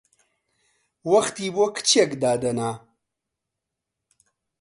وەختی بۆ کچێک دادەنا!